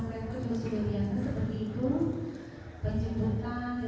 tidak tahu itu aja gitu